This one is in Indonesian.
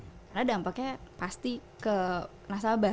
karena dampaknya pasti ke nasabah